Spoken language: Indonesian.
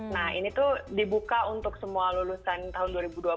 nah ini tuh dibuka untuk semua lulusan tahun dua ribu dua puluh